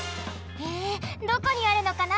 へえどこにあるのかな？